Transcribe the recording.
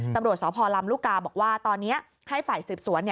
ตำรวจสพลำลูกกาบอกว่าตอนนี้ให้ฝ่ายสืบสวน